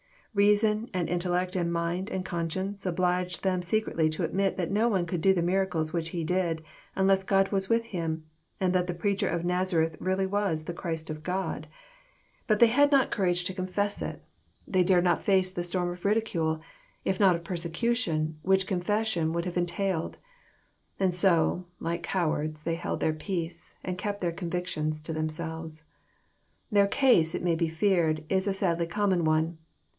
Eeason, and intellect, and mind, and conscience, obliged them secretly to admit that no one could do the miracles which He did, unless God was with Him, and that the preacher of Nazareth really was the Christ of God. But they had not courage to 360 EXPOsrroBT thoughts. confess it. They d&red not face the storm of ridieale, if not of persecution, which confession wonld have entailed. And so, like cowards, they held their peace, and kept their convictions to themselves. Their case, it may be feared, is a sadly common one.